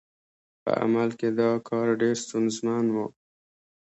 په عمل کې دا کار ډېر ستونزمن و.